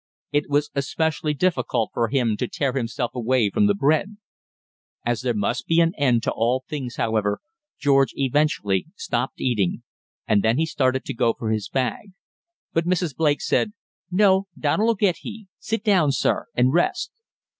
It was especially difficult for him to tear himself away from the bread. As there must be an end to all things, however, George eventually stopped eating, and then he started to go for his bag. But Mrs. Blake said: "No, Donald'll get he. Sit down, sir, and rest."